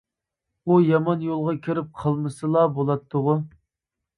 ئۇ يامان يولغا كىرىپ قالمىسىلا بولاتتىغۇ.